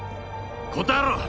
答えろ！